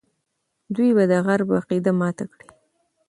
دوی به د غرب عقیده ماته کړي.